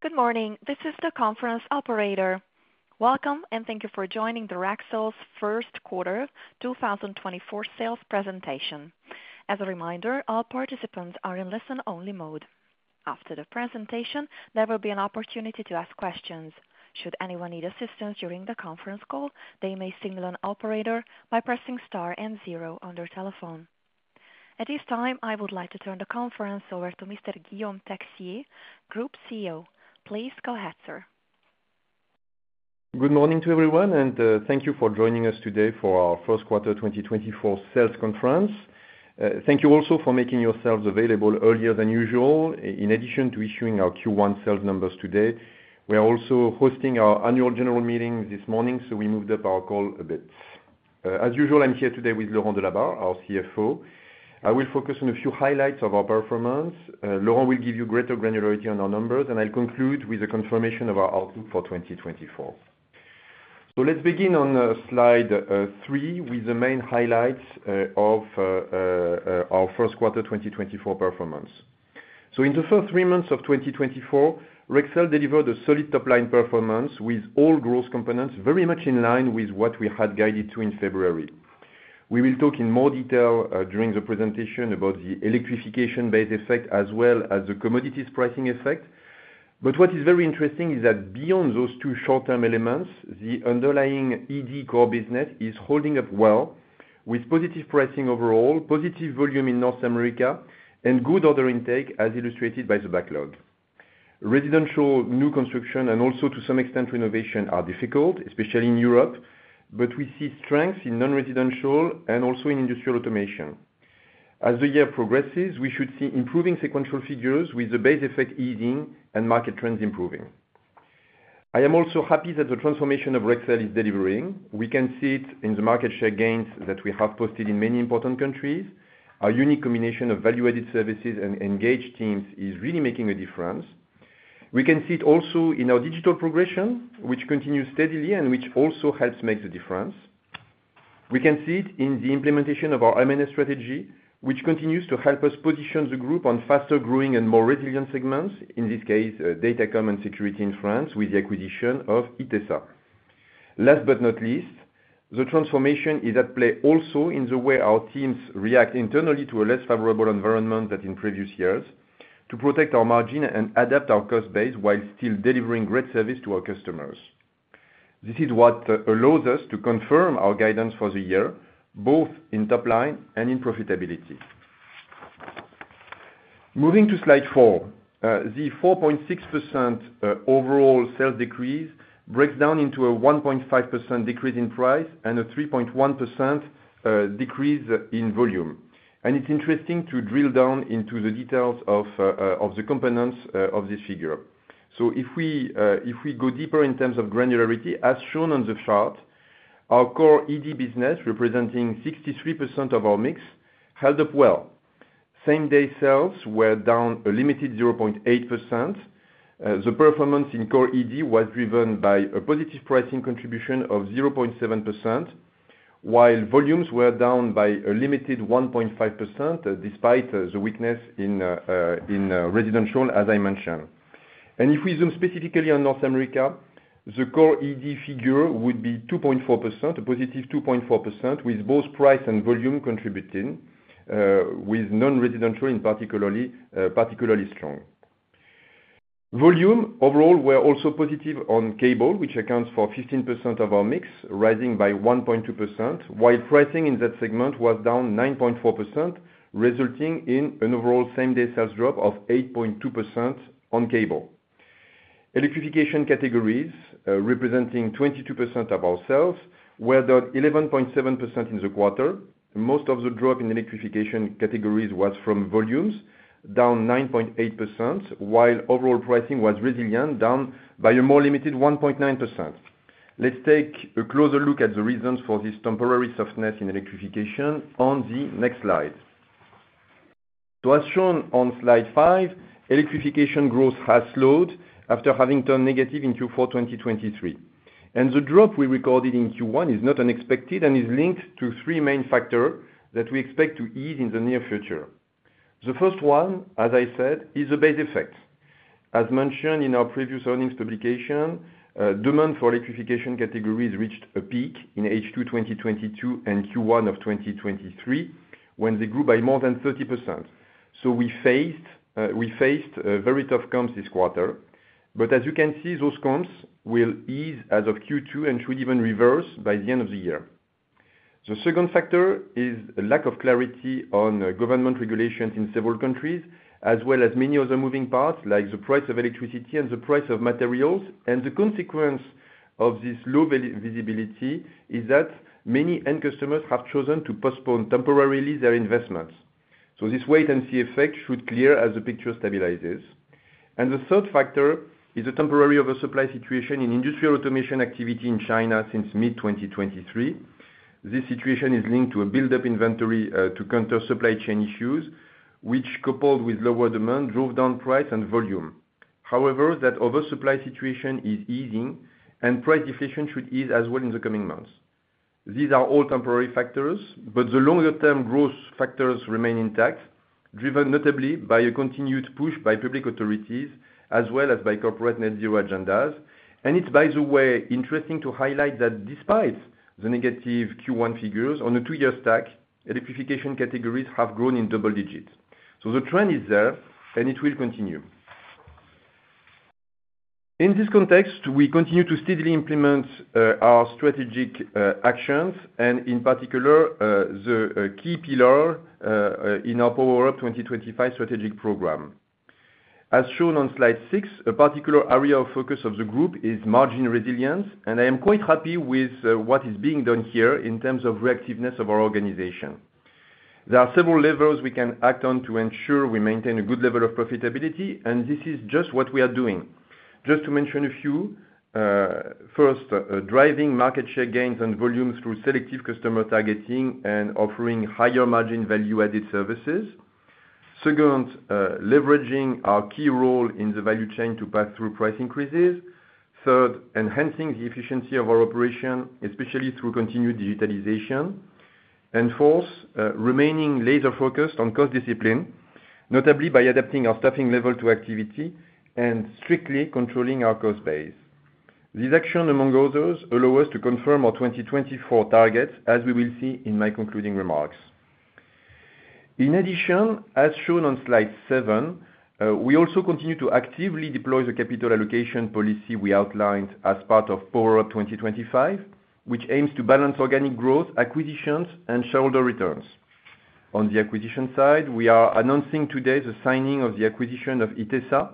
Good morning, this is the conference operator. Welcome, and thank you for joining the Rexel's Q1 2024 Sales Presentation. As a reminder, all participants are in listen-only mode. After the presentation, there will be an opportunity to ask questions. Should anyone need assistance during the conference call, they may signal an operator by pressing star and 0 on their telephone. At this time, I would like to turn the conference over to Mr. Guillaume Texier, Group CEO. Please go ahead, sir. Good morning to everyone, and thank you for joining us today for our Q1 2024 Sales Conference. Thank you also for making yourselves available earlier than usual. In addition to issuing our Q1 sales numbers today, we are also hosting our annual general meeting this morning, so we moved up our call a bit. As usual, I'm here today with Laurent Delabarre, our CFO. I will focus on a few highlights of our performance. Laurent will give you greater granularity on our numbers, and I'll conclude with a confirmation of our outlook for 2024. Let's begin on slide three with the main highlights of our Q1 2024 performance. In the first three months of 2024, Rexel delivered a solid top-line performance with all growth components very much in line with what we had guided to in February. We will talk in more detail, during the presentation about the electrification-based effect as well as the commodities pricing effect. But what is very interesting is that beyond those two short-term elements, the underlying ED core business is holding up well, with positive pricing overall, positive volume in North America, and good order intake as illustrated by the backlog. Residential new construction and also, to some extent, renovation are difficult, especially in Europe, but we see strengths in non-residential and also in industrial automation. As the year progresses, we should see improving sequential figures with the base effect easing and market trends improving. I am also happy that the transformation of Rexel is delivering. We can see it in the market share gains that we have posted in many important countries. Our unique combination of value-added services and engaged teams is really making a difference. We can see it also in our digital progression, which continues steadily and which also helps make the difference. We can see it in the implementation of our M&A strategy, which continues to help us position the group on faster-growing and more resilient segments, in this case, datacomm and security in France with the acquisition of ITESA. Last but not least, the transformation is at play also in the way our teams react internally to a less favorable environment than in previous years, to protect our margin and adapt our cost base while still delivering great service to our customers. This is what allows us to confirm our guidance for the year, both in top-line and in profitability. Moving to slide four, the 4.6% overall sales decrease breaks down into a 1.5% decrease in price and a 3.1% decrease in volume. And it's interesting to drill down into the details of the components of this figure. So if we go deeper in terms of granularity, as shown on the chart, our core ED business, representing 63% of our mix, held up well. Same-day sales were down a limited 0.8%. The performance in core ED was driven by a positive pricing contribution of 0.7%, while volumes were down by a limited 1.5%, despite the weakness in residential, as I mentioned. And if we zoom specifically on North America, the core ED figure would be 2.4%, a positive 2.4%, with both price and volume contributing, with non-residential particularly strong. Volume overall were also positive on cable, which accounts for 15% of our mix, rising by 1.2%, while pricing in that segment was down 9.4%, resulting in an overall same-day sales drop of 8.2% on cable. Electrification categories, representing 22% of our sales, were down 11.7% in the quarter. Most of the drop in electrification categories was from volumes, down 9.8%, while overall pricing was resilient, down by a more limited 1.9%. Let's take a closer look at the reasons for this temporary softness in electrification on the next slide. So as shown on slide five, electrification growth has slowed after having turned negative in Q4 2023. And the drop we recorded in Q1 is not unexpected and is linked to three main factors that we expect to ease in the near future. The first one, as I said, is the base effect. As mentioned in our previous earnings publication, demand for electrification categories reached a peak in H2 2022 and Q1 of 2023 when they grew by more than 30%. So we faced very tough comps this quarter. But as you can see, those comps will ease as of Q2 and should even reverse by the end of the year. The second factor is a lack of clarity on government regulations in several countries, as well as many other moving parts, like the price of electricity and the price of materials. And the consequence of this low visibility is that many end customers have chosen to postpone temporarily their investments. So this wait-and-see effect should clear as the picture stabilizes. And the third factor is a temporary oversupply situation in industrial automation activity in China since mid-2023. This situation is linked to a buildup inventory, to counter supply chain issues, which, coupled with lower demand, drove down price and volume. However, that oversupply situation is easing, and price deflation should ease as well in the coming months. These are all temporary factors, but the longer-term growth factors remain intact, driven notably by a continued push by public authorities as well as by corporate net-zero agendas. And it's, by the way, interesting to highlight that despite the negative Q1 figures, on a two year stack, electrification categories have grown in double digits. So the trend is there, and it will continue. In this context, we continue to steadily implement, our strategic, actions, and in particular, the, key pillar, in our Power Up 2025 strategic program. As shown on slide six, a particular area of focus of the group is margin resilience, and I am quite happy with, what is being done here in terms of reactiveness of our organization. There are several levers we can act on to ensure we maintain a good level of profitability, and this is just what we are doing. Just to mention a few, first, driving market share gains and volume through selective customer targeting and offering higher margin value-added services. Second, leveraging our key role in the value chain to pass through price increases. Third, enhancing the efficiency of our operation, especially through continued digitalization. And fourth, remaining laser-focused on cost discipline, notably by adapting our staffing level to activity and strictly controlling our cost base. These actions, among others, allow us to confirm our 2024 targets as we will see in my concluding remarks. In addition, as shown on slide seven, we also continue to actively deploy the capital allocation policy we outlined as part of Power Up 2025, which aims to balance organic growth, acquisitions, and shareholder returns. On the acquisition side, we are announcing today the signing of the acquisition of ITESA,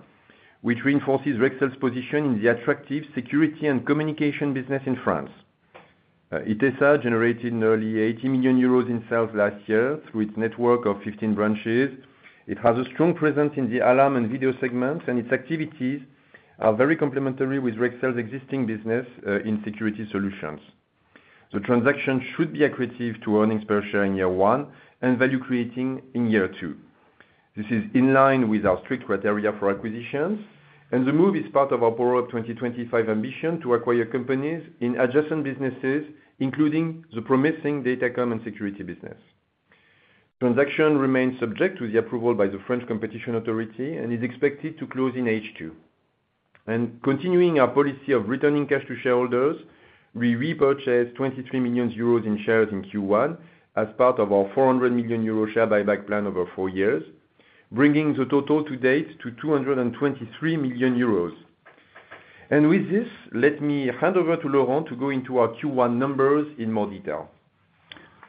which reinforces Rexel's position in the attractive security and communication business in France. ITESA generated nearly 80 million euros in sales last year through its network of 15 branches. It has a strong presence in the alarm and video segments, and its activities are very complementary with Rexel's existing business, in security solutions. The transactions should be accretive to earnings per share in year one and value creating in year two. This is in line with our strict criteria for acquisitions, and the move is part of our Power Up 2025 ambition to acquire companies in adjacent businesses, including the promising data comm and security business. Transaction remains subject to the approval by the French competition authority and is expected to close in H2. Continuing our policy of returning cash to shareholders, we repurchased 23 million euros in shares in Q1 as part of our 400 million euro share buyback plan over four years, bringing the total to date to 223 million euros. With this, let me hand over to Laurent to go into our Q1 numbers in more detail.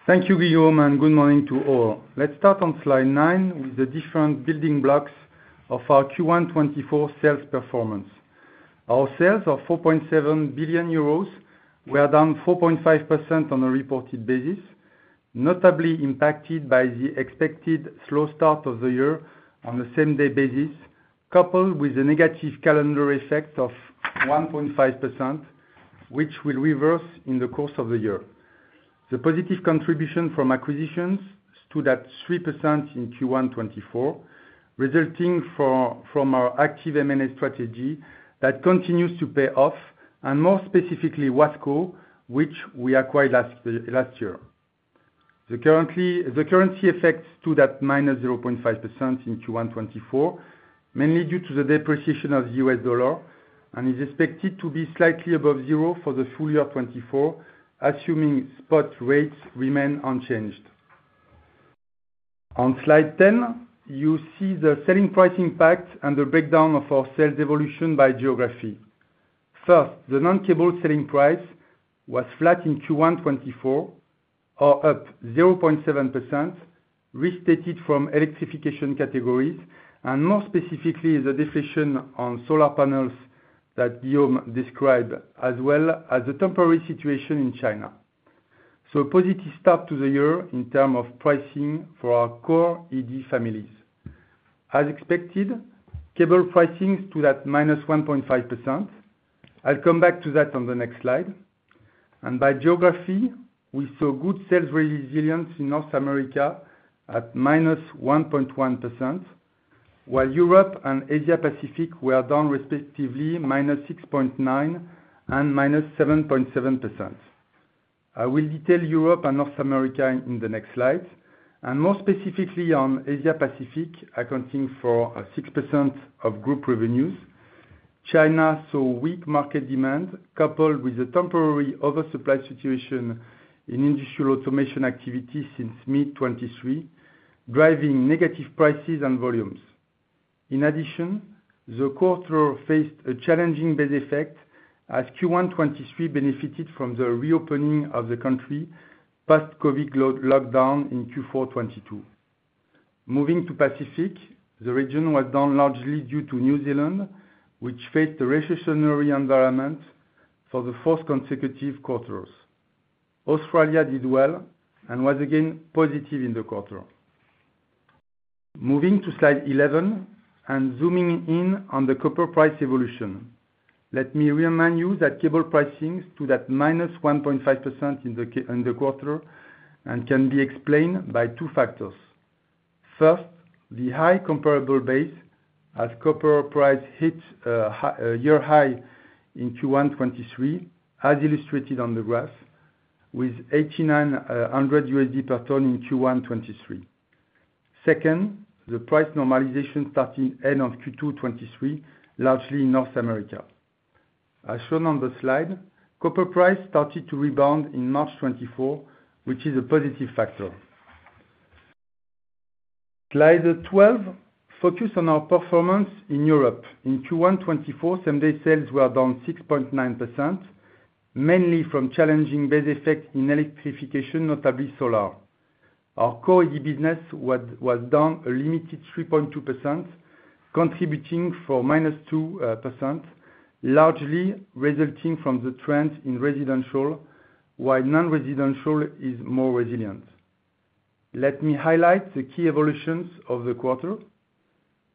Thank you, Guillaume, and good morning to all. Let's start on slide nine with the different building blocks of our Q1 2024 sales performance. Our sales of 4.7 billion euros were down 4.5% on a reported basis, notably impacted by the expected slow start of the year on a same-day basis, coupled with a negative calendar effect of 1.5%, which will reverse in the course of the year. The positive contribution from acquisitions stood at 3% in Q1 2024, resulting from our active M&A strategy that continues to pay off, and more specifically Wasco, which we acquired last year. The currency effect stood at -0.5% in Q1 2024, mainly due to the depreciation of the US dollar, and is expected to be slightly above zero for the full year 2024, assuming spot rates remain unchanged. On slide 10, you see the selling price impact and the breakdown of our sales evolution by geography. First, the non-cable selling price was flat in Q1 2024, or up 0.7%, restated from electrification categories, and more specifically the deflation on solar panels that Guillaume described, as well as the temporary situation in China. So a positive start to the year in terms of pricing for our core ED families. As expected, cable pricing stood at -1.5%. I'll come back to that on the next slide. By geography, we saw good sales resilience in North America at -1.1%, while Europe and Asia-Pacific were down respectively -6.9% and -7.7%. I will detail Europe and North America in the next slide. And more specifically on Asia-Pacific, accounting for 6% of group revenues, China saw weak market demand coupled with a temporary oversupply situation in industrial automation activity since mid-2023, driving negative prices and volumes. In addition, the quarter faced a challenging base effect as Q1 2023 benefited from the reopening of the country post-COVID lockdown in Q4 2022. Moving to Pacific, the region was down largely due to New Zealand, which faced a recessionary environment for the fourth consecutive quarters. Australia did well and was again positive in the quarter. Moving to slide 11 and zooming in on the copper price evolution, let me remind you that cable pricing stood at -1.5% in the quarter and can be explained by two factors. First, the high comparable base as copper price hit high year high in Q1 2023, as illustrated on the graph, with $8,900 per ton in Q1 2023. Second, the price normalization starting end of Q2 2023, largely in North America. As shown on the slide, copper price started to rebound in March 2024, which is a positive factor. Slide 12 focuses on our performance in Europe. In Q1 2024, same-day sales were down 6.9%, mainly from challenging base effect in electrification, notably solar. Our core ED business was down a limited 3.2%, contributing for -2%, largely resulting from the trend in residential, while non-residential is more resilient. Let me highlight the key evolutions of the quarter.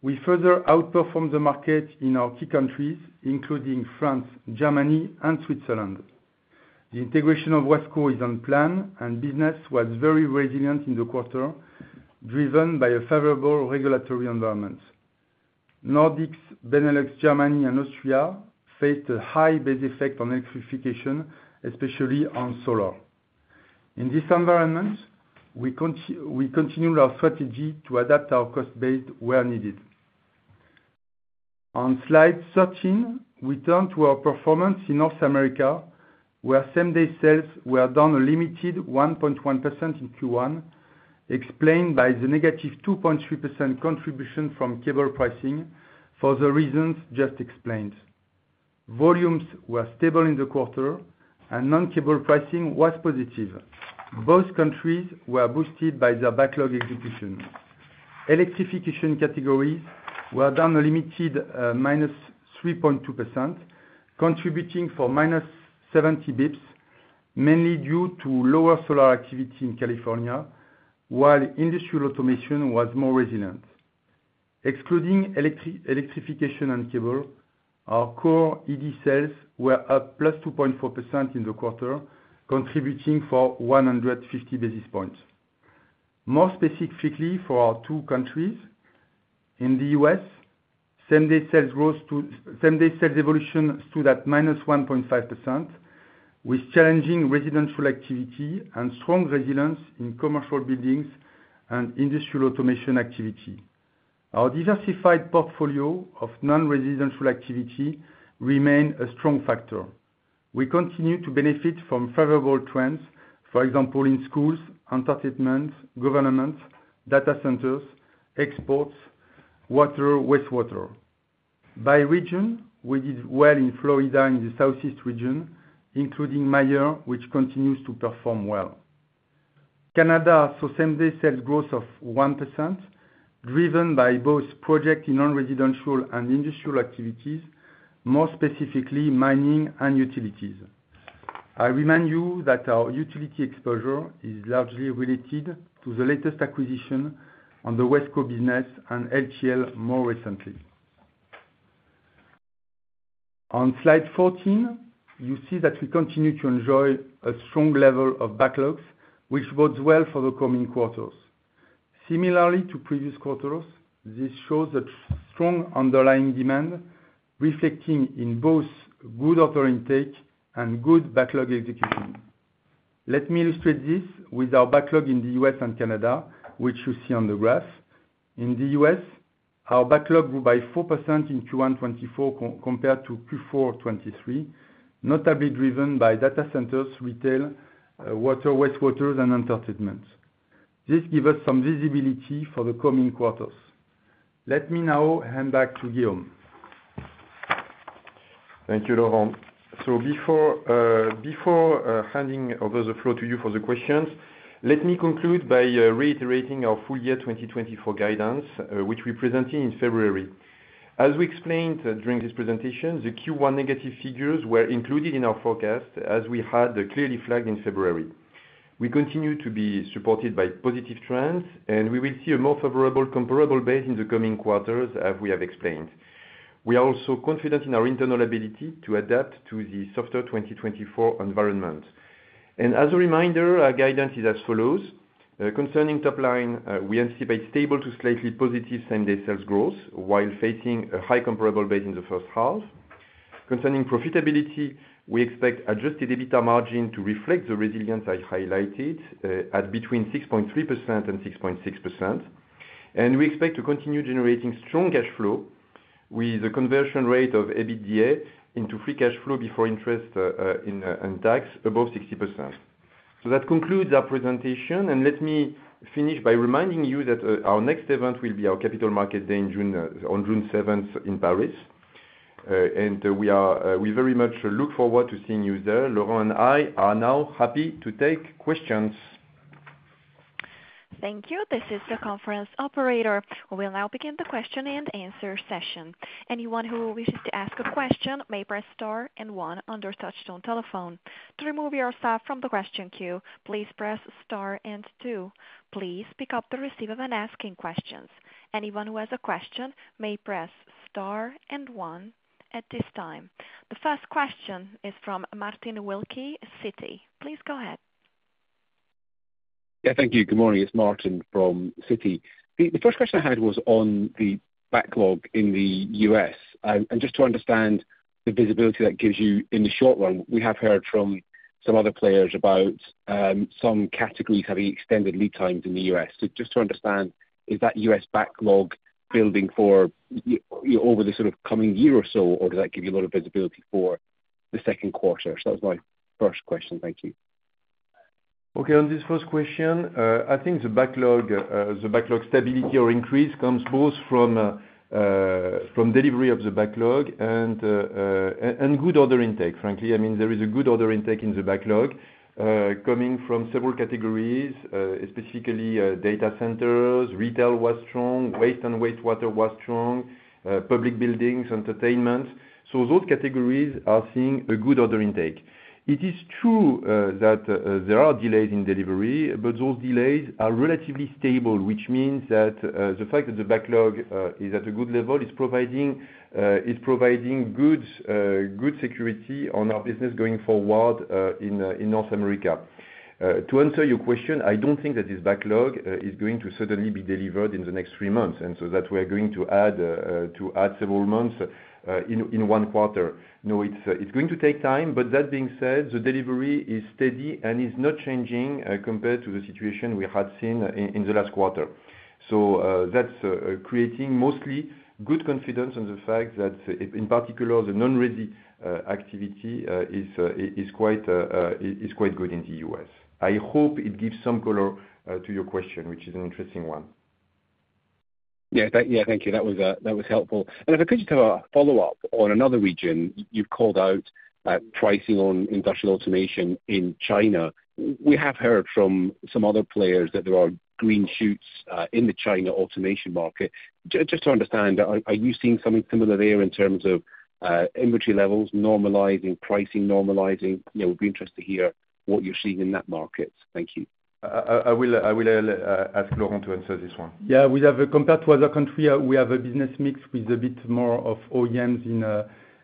We further outperformed the market in our key countries, including France, Germany, and Switzerland. The integration of Wasco is on plan, and business was very resilient in the quarter, driven by a favorable regulatory environment. Nordics, Benelux, Germany, and Austria faced a high base effect on electrification, especially on solar. In this environment, we continued our strategy to adapt our cost base where needed. On slide 13, we turn to our performance in North America, where same-day sales were down a limited 1.1% in Q1, explained by the -2.3% contribution from cable pricing for the reasons just explained. Volumes were stable in the quarter, and non-cable pricing was positive. Both countries were boosted by their backlog execution. Electrification categories were down a limited -3.2%, contributing -70 basis points, mainly due to lower solar activity in California, while industrial automation was more resilient. Excluding electrification and cable, our core ED sales were up +2.4% in the quarter, contributing 150 basis points. More specifically for our two countries, in the U.S., same-day sales evolution stood at -1.5%, with challenging residential activity and strong resilience in commercial buildings and industrial automation activity. Our diversified portfolio of non-residential activity remained a strong factor. We continue to benefit from favorable trends, for example, in schools, entertainment, government, data centers, exports, water, wastewater. By region, we did well in Florida in the southeast region, including Mayer, which continues to perform well. Canada saw same-day sales growth of 1%, driven by both projects in non-residential and industrial activities, more specifically mining and utilities. I remind you that our utility exposure is largely related to the latest acquisition on the Wasco business and LTL more recently. On slide 14, you see that we continue to enjoy a strong level of backlogs, which bodes well for the coming quarters. Similarly to previous quarters, this shows a strong underlying demand, reflecting in both good order intake and good backlog execution. Let me illustrate this with our backlog in the U.S. and Canada, which you see on the graph. In the U.S., our backlog grew by 4% in Q1 2024 compared to Q4 2023, notably driven by data centers, retail, water, wastewaters, and entertainment. This gives us some visibility for the coming quarters. Let me now hand back to Guillaume. Thank you, Laurent. So before handing over the floor to you for the questions, let me conclude by reiterating our full year 2024 guidance, which we presented in February. As we explained during this presentation, the Q1 negative figures were included in our forecast as we had clearly flagged in February. We continue to be supported by positive trends, and we will see a more favorable comparable base in the coming quarters, as we have explained. We are also confident in our internal ability to adapt to the softer 2024 environment. And as a reminder, our guidance is as follows. Concerning top line, we anticipate stable to slightly positive same-day sales growth while facing a high comparable base in the first half. Concerning profitability, we expect adjusted EBITDA margin to reflect the resilience I highlighted, at between 6.3%-6.6%. And we expect to continue generating strong cash flow, with a conversion rate of EBITDA into free cash flow before interest and tax above 60%. So that concludes our presentation, and let me finish by reminding you that our next event will be our Capital Market Day in June, on June 7th in Paris. And we very much look forward to seeing you there. Laurent and I are now happy to take questions. Thank you. This is the conference operator. We will now begin the question and answer session. Anyone who wishes to ask a question may press star and one on their touchtone telephone. To remove yourself from the question queue, please press star and two. Please pick up the receiver when asking questions. Anyone who has a question may press star and one at this time. The first question is from Martin Wilkie, Citi. Please go ahead. Yeah, thank you. Good morning. It's Martin from Citi. The first question I had was on the backlog in the U.S. and just to understand the visibility that gives you in the short run, we have heard from some other players about some categories having extended lead times in the U.S. So just to understand, is that U.S. backlog building for you know, over the sort of coming year or so, or does that give you a lot of visibility for the Q2? So that was my first question. Thank you. Okay. On this first question, I think the backlog stability or increase comes both from delivery of the backlog and good order intake, frankly. I mean, there is a good order intake in the backlog, coming from several categories, specifically, data centers, retail was strong, waste and wastewater was strong, public buildings, entertainment. So those categories are seeing a good order intake. It is true that there are delays in delivery, but those delays are relatively stable, which means that the fact that the backlog is at a good level is providing good security on our business going forward in North America. To answer your question, I don't think that this backlog is going to suddenly be delivered in the next three months, and so that we are going to add several months in one quarter. No, it's going to take time, but that being said, the delivery is steady and is not changing, compared to the situation we had seen in the last quarter. So, that's creating mostly good confidence on the fact that, in particular, the non-ready activity is quite good in the U.S. I hope it gives some color to your question, which is an interesting one. Yeah, yeah, thank you. That was helpful. And if I could just have a follow-up on another region, you've called out pricing on industrial automation in China. We have heard from some other players that there are green shoots in the China automation market. Just to understand, are you seeing something similar there in terms of inventory levels, normalizing pricing, normalizing? You know, we'd be interested to hear what you're seeing in that market. Thank you. I will ask Laurent to answer this one. Yeah, we have, compared to other countries, we have a business mix with a bit more of OEMs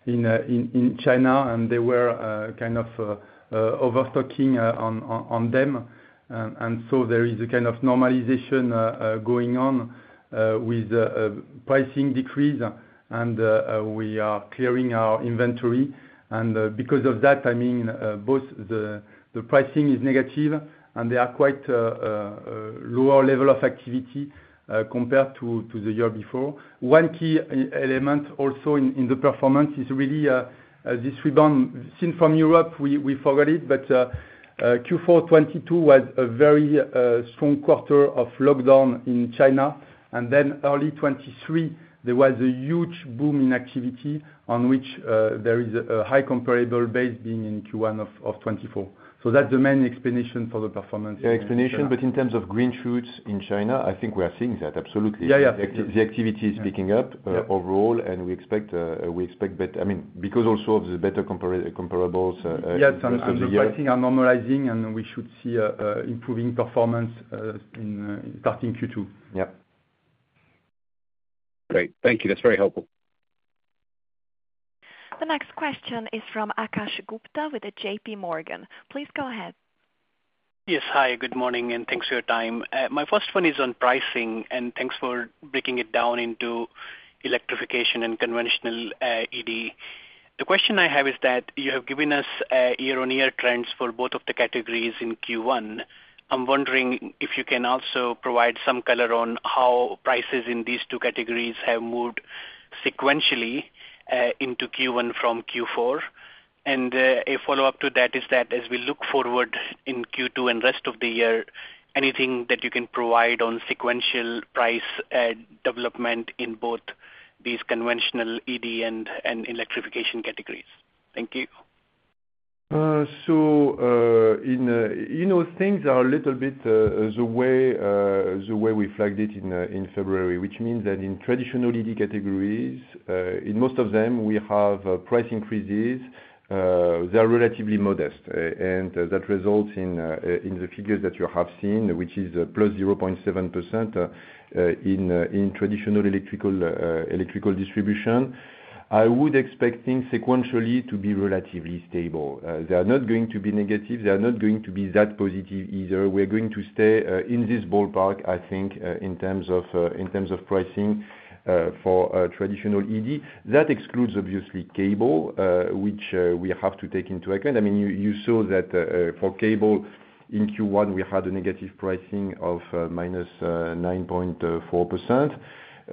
in China, and they were kind of overstocking on them. And so there is a kind of normalization going on with pricing decrease, and we are clearing our inventory. And because of that, I mean, both the pricing is negative, and they are quite lower level of activity compared to the year before. One key element also in the performance is really this rebound. Seen from Europe, we forgot it, but Q4 2022 was a very strong quarter of lockdown in China, and then early 2023, there was a huge boom in activity on which there is a high comparable base being in Q1 of 2024. That's the main explanation for the performance in. Yeah, explanation, but in terms of green shoots in China, I think we are seeing that, absolutely. Yeah, yeah, exactly. The activity is picking up, overall, and we expect, I mean, because also of the better comparables, in the year. Yeah, so the pricing are normalizing, and we should see improving performance starting Q2. Yep. Great. Thank you. That's very helpful. The next question is from Akash Gupta with the J.P. Morgan. Please go ahead. Yes. Hi. Good morning, and thanks for your time. My first one is on pricing, and thanks for breaking it down into electrification and conventional ED. The question I have is that you have given us year-on-year trends for both of the categories in Q1. I'm wondering if you can also provide some color on how prices in these two categories have moved sequentially into Q1 from Q4. And, a follow-up to that is that as we look forward in Q2 and rest of the year, anything that you can provide on sequential price development in both these conventional ED and electrification categories. Thank you. So, you know, things are a little bit the way we flagged it in February, which means that in traditional ED categories, in most of them, we have price increases, they are relatively modest, and that results in the figures that you have seen, which is +0.7% in traditional electrical distribution. I would expect things sequentially to be relatively stable. They are not going to be negative. They are not going to be that positive either. We are going to stay in this ballpark, I think, in terms of pricing for traditional ED. That excludes, obviously, cable, which we have to take into account. I mean, you saw that, for cable in Q1, we had a negative pricing of minus 9.4%,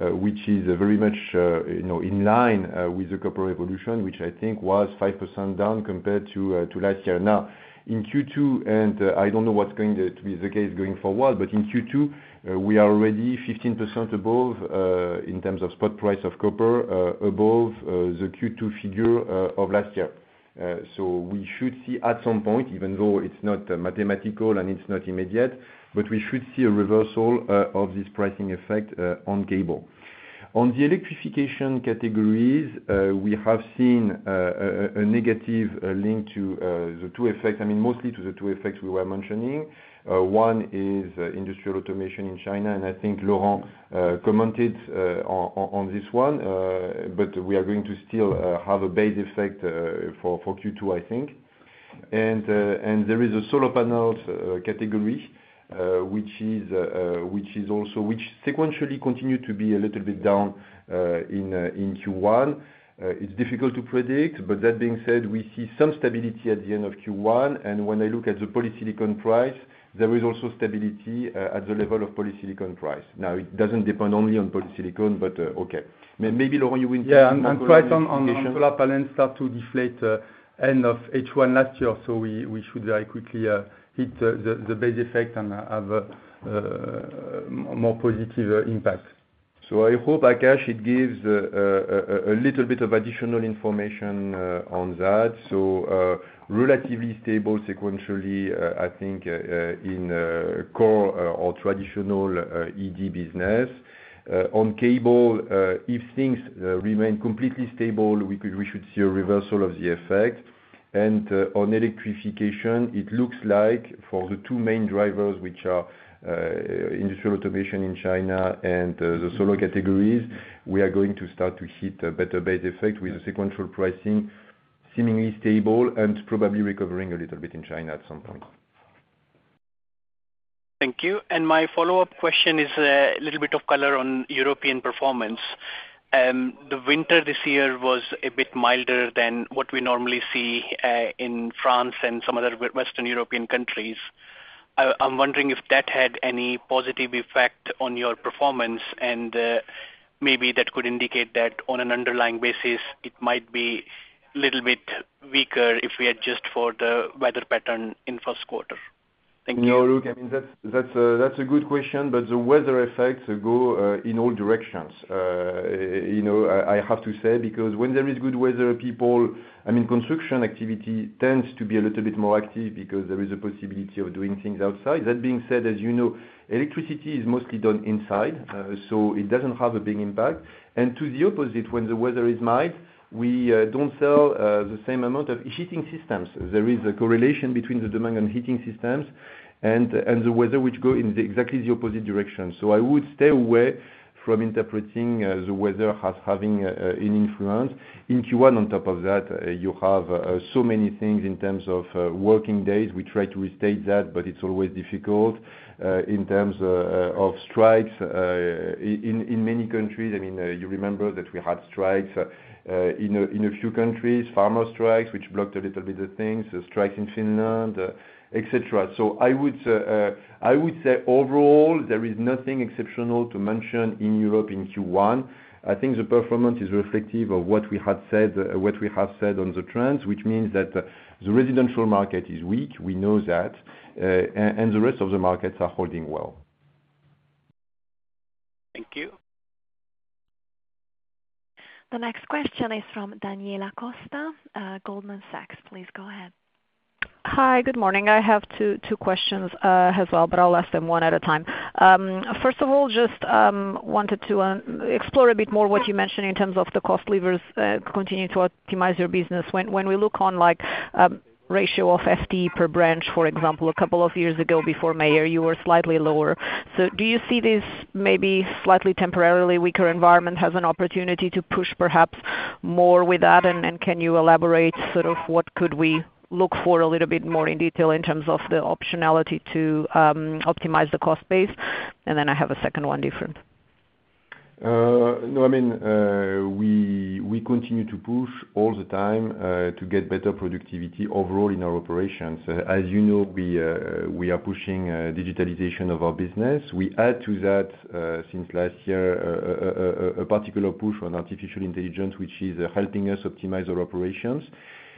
which is very much, you know, in line with the copper evolution, which I think was 5% down compared to last year. Now, in Q2, I don't know what's going to be the case going forward, but in Q2, we are already 15% above, in terms of spot price of copper, above the Q2 figure of last year. So we should see at some point, even though it's not mathematical and it's not immediate, but we should see a reversal of this pricing effect on cable. On the electrification categories, we have seen a negative link to the two effects. I mean, mostly to the two effects we were mentioning. One is industrial automation in China, and I think Laurent commented on this one, but we are still going to have a base effect for Q2, I think. And there is a solar panels category, which is also sequentially continued to be a little bit down in Q1. It's difficult to predict, but that being said, we see some stability at the end of Q1, and when I look at the polysilicon price, there is also stability at the level of polysilicon price. Now, it doesn't depend only on polysilicon, but okay. Maybe, Laurent, you will intervene on the question. Yeah, and price on solar panels start to deflate end of H1 last year, so we should very quickly hit the base effect and have more positive impact. So I hope, Akash, it gives a little bit of additional information on that. So, relatively stable sequentially, I think, in core or traditional ED business. On cable, if things remain completely stable, we could we should see a reversal of the effect. And, on electrification, it looks like for the two main drivers, which are industrial automation in China and the solar categories, we are going to start to hit a better base effect with the sequential pricing seemingly stable and probably recovering a little bit in China at some point. Thank you. My follow-up question is a little bit of color on European performance. The winter this year was a bit milder than what we normally see in France and some other Western European countries. I'm wondering if that had any positive effect on your performance, and maybe that could indicate that on an underlying basis it might be a little bit weaker if we adjust for the weather pattern in Q1. Thank you. No, Luke. I mean, that's a good question, but the weather effects go in all directions. You know, I have to say because when there is good weather, people I mean, construction activity tends to be a little bit more active because there is a possibility of doing things outside. That being said, as you know, electricity is mostly done inside, so it doesn't have a big impact. And to the opposite, when the weather is mild, we don't sell the same amount of heating systems. There is a correlation between the demand on heating systems and the weather, which go in exactly the opposite direction. So I would stay away from interpreting the weather as having an influence. In Q1, on top of that, you have so many things in terms of working days. We try to restate that, but it's always difficult, in terms of strikes, in many countries. I mean, you remember that we had strikes in a few countries, farmer strikes, which blocked a little bit of things, strikes in Finland, etc. So I would say overall, there is nothing exceptional to mention in Europe in Q1. I think the performance is reflective of what we had said, what we have said on the trends, which means that the residential market is weak. We know that, and the rest of the markets are holding well. Thank you. The next question is from Daniela Costa, Goldman Sachs. Please go ahead. Hi. Good morning. I have two, two questions, as well, but I'll ask them one at a time. First of all, just wanted to explore a bit more what you mentioned in terms of the cost levers, continuing to optimize your business. When, when we look on, like, ratio of FTE per branch, for example, a couple of years ago before Mayer, you were slightly lower. So do you see this maybe slightly temporarily weaker environment has an opportunity to push perhaps more with that, and, and can you elaborate sort of what could we look for a little bit more in detail in terms of the optionality to optimize the cost base? And then I have a second one different. No, I mean, we, we continue to push all the time, to get better productivity overall in our operations. As you know, we, we are pushing digitalization of our business. We add to that, since last year, a particular push on artificial intelligence, which is helping us optimize our operations.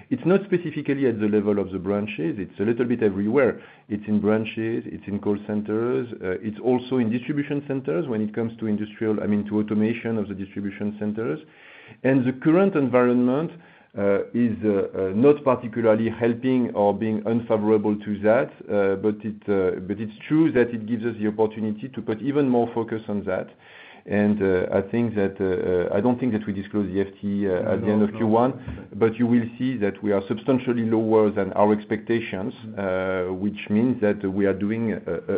It's not specifically at the level of the branches. It's a little bit everywhere. It's in branches. It's in call centers. It's also in distribution centers when it comes to industrial, I mean, to automation of the distribution centers. And the current environment is not particularly helping or being unfavorable to that, but it's true that it gives us the opportunity to put even more focus on that. I think that, I don't think that we disclose the FTE at the end of Q1, but you will see that we are substantially lower than our expectations, which means that we are doing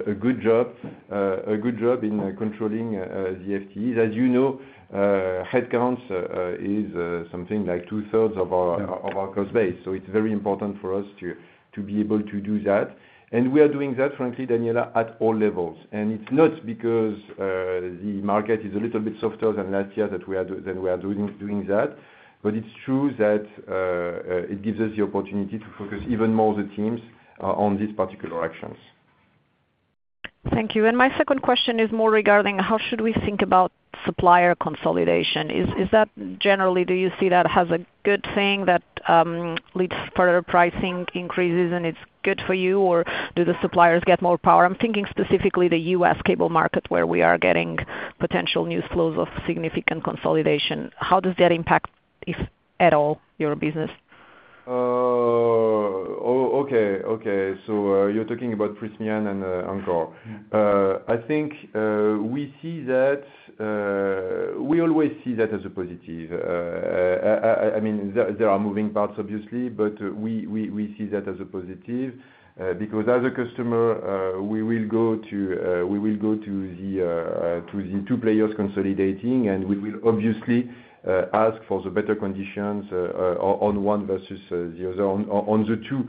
a good job, a good job in controlling the FTEs. As you know, headcounts is something like two-thirds of our cost base, so it's very important for us to be able to do that. We are doing that, frankly, Daniela, at all levels. It's not because the market is a little bit softer than last year that we are do than we are doing, doing that, but it's true that it gives us the opportunity to focus even more the teams on these particular actions. Thank you. And my second question is more regarding how should we think about supplier consolidation. Is that generally do you see that as a good thing that leads further pricing increases, and it's good for you, or do the suppliers get more power? I'm thinking specifically the U.S. cable market where we are getting potential news flows of significant consolidation. How does that impact, if at all, your business? Okay. So, you're talking about Prysmian and Encore. I think we see that. We always see that as a positive. I mean, there are moving parts, obviously, but we see that as a positive, because as a customer, we will go to the two players consolidating, and we will obviously ask for the better conditions on one versus the other, on the two,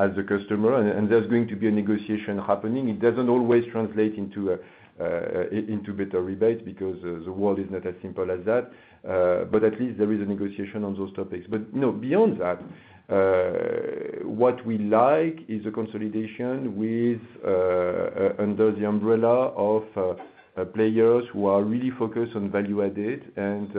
as a customer. And there's going to be a negotiation happening. It doesn't always translate into better rebate because the world is not as simple as that, but at least there is a negotiation on those topics. But, you know, beyond that, what we like is a consolidation with, under the umbrella of, players who are really focused on value added, and,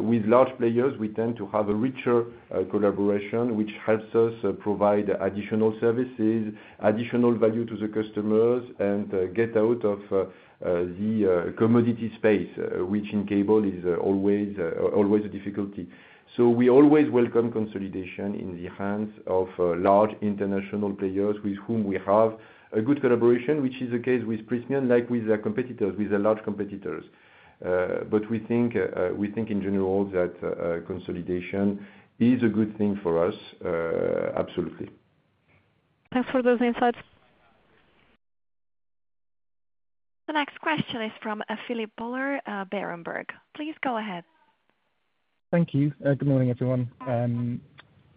with large players, we tend to have a richer, collaboration, which helps us, provide additional services, additional value to the customers, and, get out of, the, commodity space, which in cable is, always, always a difficulty. So we always welcome consolidation in the hands of, large international players with whom we have a good collaboration, which is the case with Prysmian, like with their competitors, with their large competitors. But we think, we think in general that, consolidation is a good thing for us, absolutely. Thanks for those insights. The next question is from Philip Buller, Berenberg. Please go ahead. Thank you. Good morning, everyone.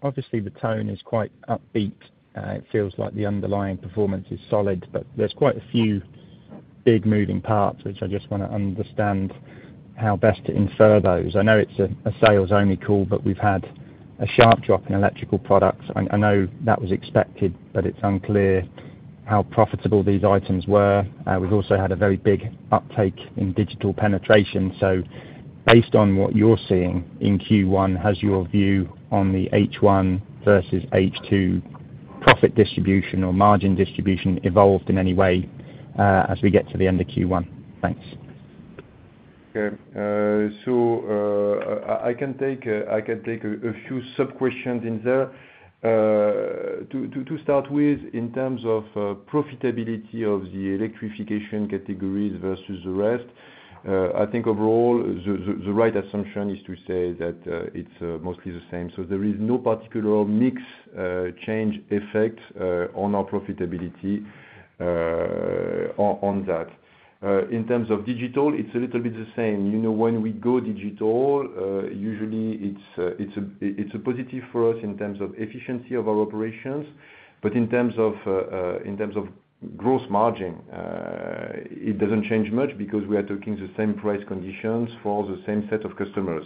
Obviously, the tone is quite upbeat. It feels like the underlying performance is solid, but there's quite a few big moving parts, which I just want to understand how best to infer those. I know it's a sales-only call, but we've had a sharp drop in electrical products. I, I know that was expected, but it's unclear how profitable these items were. We've also had a very big uptake in digital penetration. So based on what you're seeing in Q1, has your view on the H1 versus H2 profit distribution or margin distribution evolved in any way, as we get to the end of Q1? Thanks. Okay. So, I can take a few sub-questions in there. To start with, in terms of profitability of the electrification categories versus the rest, I think overall, the right assumption is to say that it's mostly the same. So there is no particular mix change effect on our profitability on that. In terms of digital, it's a little bit the same. You know, when we go digital, usually, it's a positive for us in terms of efficiency of our operations, but in terms of gross margin, it doesn't change much because we are talking the same price conditions for the same set of customers.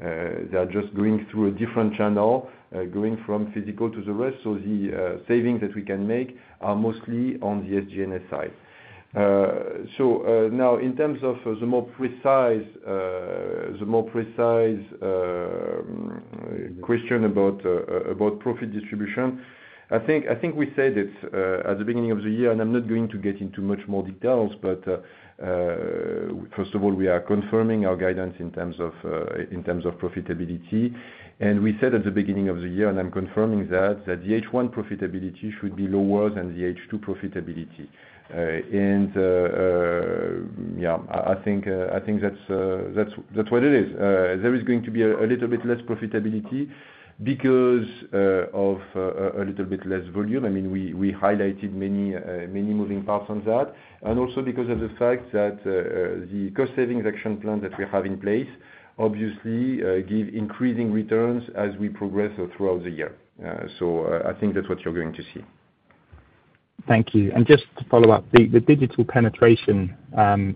They are just going through a different channel, going from physical to the rest, so the savings that we can make are mostly on the SG&A side. So, now, in terms of the more precise question about profit distribution, I think we said it at the beginning of the year, and I'm not going to get into much more details, but first of all, we are confirming our guidance in terms of profitability. And we said at the beginning of the year, and I'm confirming that, that the H1 profitability should be lower than the H2 profitability. Yeah, I think that's what it is. There is going to be a little bit less profitability because of a little bit less volume. I mean, we highlighted many moving parts on that, and also because of the fact that the cost savings action plan that we have in place obviously give increasing returns as we progress throughout the year. I think that's what you're going to see. Thank you. And just to follow up, the digital penetration,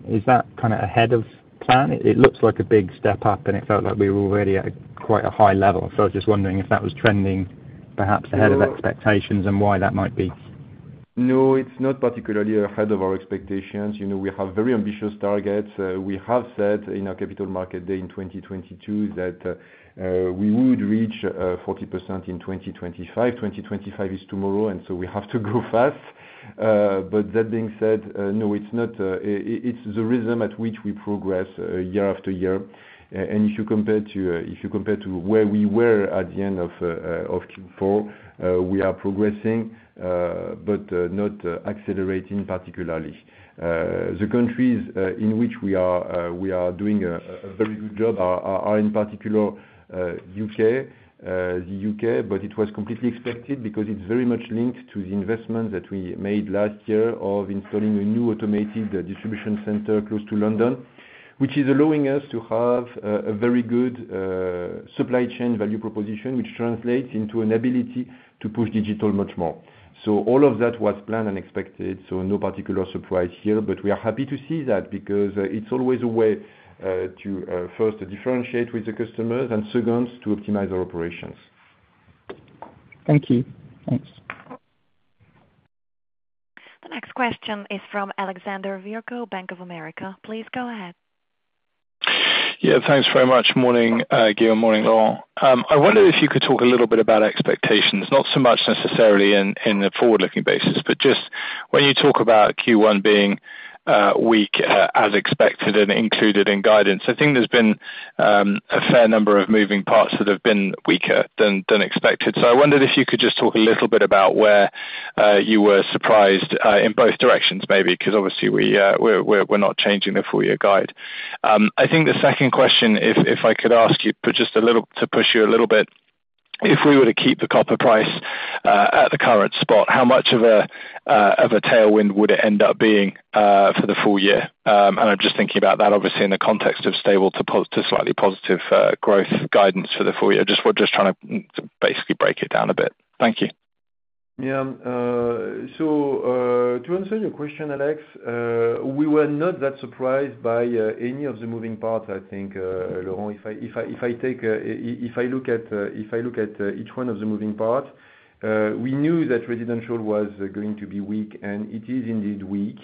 is that kind of ahead of plan? It looks like a big step up, and it felt like we were already at a quite high level. So I was just wondering if that was trending, perhaps, ahead of expectations and why that might be. No, it's not particularly ahead of our expectations. You know, we have very ambitious targets. We have said in our Capital Markets Day in 2022 that we would reach 40% in 2025. 2025 is tomorrow, and so we have to go fast. But that being said, no, it's not. It's the rhythm at which we progress, year after year. And if you compare to, if you compare to where we were at the end of Q4, we are progressing, but not accelerating particularly. The countries in which we are doing a very good job are in particular the U.K., but it was completely expected because it's very much linked to the investments that we made last year of installing a new automated distribution center close to London, which is allowing us to have a very good supply chain value proposition, which translates into an ability to push digital much more. So all of that was planned and expected, so no particular surprise here, but we are happy to see that because it's always a way to first differentiate with the customers, and second, to optimize our operations. Thank you. Thanks. The next question is from Alexander Virgo, Bank of America. Please go ahead. Yeah. Thanks very much. Morning, Guillaume. Morning, Laurent. I wonder if you could talk a little bit about expectations, not so much necessarily in a forward-looking basis, but just when you talk about Q1 being weak, as expected and included in guidance. I think there's been a fair number of moving parts that have been weaker than expected. So I wondered if you could just talk a little bit about where you were surprised, in both directions maybe 'cause obviously we're not changing the full-year guide. I think the second question, if I could ask you, but just a little to push you a little bit, if we were to keep the copper price at the current spot, how much of a tailwind would it end up being for the full year? I'm just thinking about that, obviously, in the context of stable to positive to slightly positive growth guidance for the full year, just trying to basically break it down a bit. Thank you. Yeah. So, to answer your question, Alex, we were not that surprised by any of the moving parts, I think, Laurent. If I take, if I look at each one of the moving parts, we knew that residential was going to be weak, and it is indeed weak.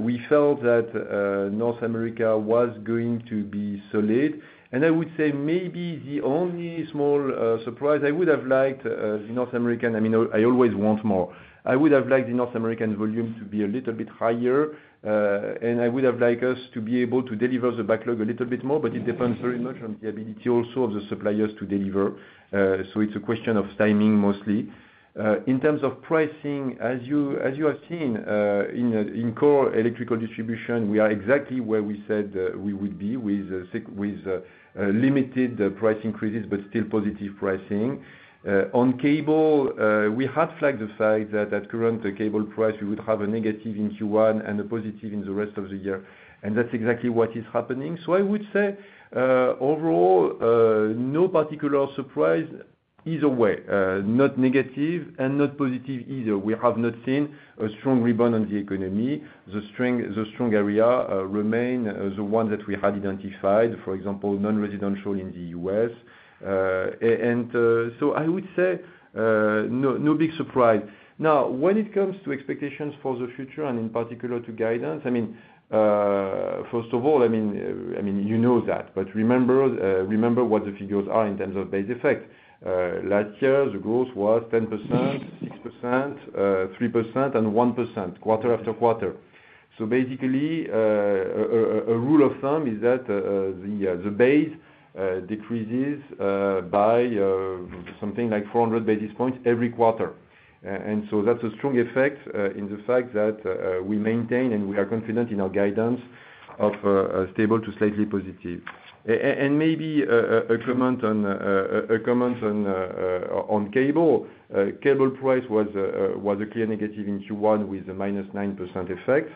We felt that North America was going to be solid. And I would say maybe the only small surprise I would have liked, the North American, I mean, I always want more. I would have liked the North American volume to be a little bit higher, and I would have liked us to be able to deliver the backlog a little bit more, but it depends very much on the ability also of the suppliers to deliver. So it's a question of timing mostly. In terms of pricing, as you have seen, in core electrical distribution, we are exactly where we said we would be with limited price increases but still positive pricing. On cable, we highlighted the fact that at current cable price, we would have a negative in Q1 and a positive in the rest of the year. And that's exactly what is happening. So I would say, overall, no particular surprise either way, not negative and not positive either. We have not seen a strong rebound on the economy. The strong areas remain the ones that we had identified, for example, non-residential in the U.S. And so I would say no big surprise. Now, when it comes to expectations for the future and in particular to guidance, I mean, first of all, I mean, I mean, you know that, but remember what the figures are in terms of base effect. Last year, the growth was 10%, 6%, 3%, and 1% quarter after quarter. So basically, a rule of thumb is that the base decreases by something like 400 basis points every quarter. And so that's a strong effect, in the fact that we maintain and we are confident in our guidance of stable to slightly positive. And maybe a comment on cable price was a clear negative in Q1 with a -9% effect,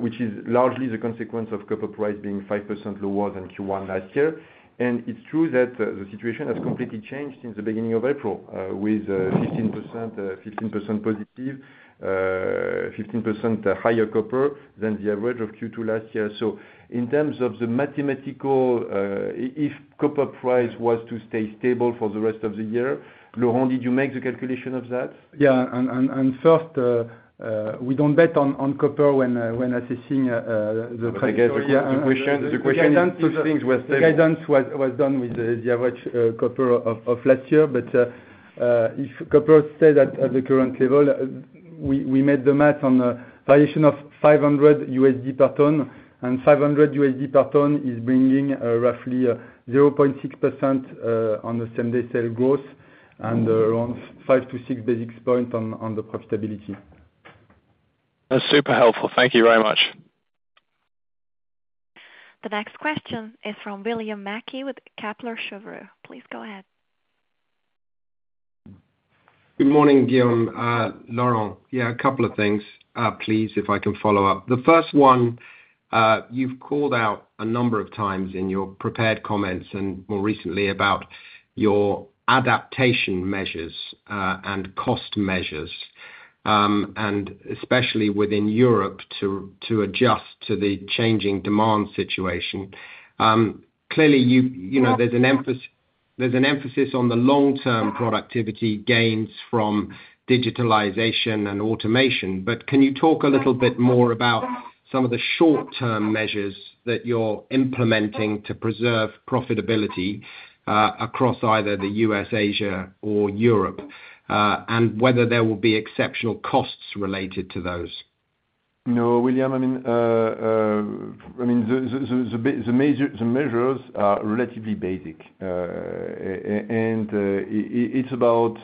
which is largely the consequence of copper price being 5% lower than Q1 last year. It's true that the situation has completely changed since the beginning of April, with 15%, 15% positive, 15% higher copper than the average of Q2 last year. So in terms of the mathematical, if copper price was to stay stable for the rest of the year, Laurent, did you make the calculation of that? Yeah. First, we don't bet on copper when assessing the price of cobalt. But I guess the question is if things were stable. Guidance was done with the average copper of last year, but if copper stayed at the current level, we made the math on a variation of $500 per ton, and $500 per ton is bringing roughly 0.6% on the same-day sales growth and around 5-6 basis points on the profitability. That's super helpful. Thank you very much. The next question is from William Mackie with Kepler Cheuvreux. Please go ahead. Good morning, Guillaume. Laurent, yeah, a couple of things, please, if I can follow up. The first one, you've called out a number of times in your prepared comments and more recently about your adaptation measures, and cost measures, and especially within Europe to adjust to the changing demand situation. Clearly, you know, there's an emphasis on the long-term productivity gains from digitalization and automation, but can you talk a little bit more about some of the short-term measures that you're implementing to preserve profitability, across either the U.S., Asia, or Europe, and whether there will be exceptional costs related to those? No, William. I mean, the major measures are relatively basic. And it's about,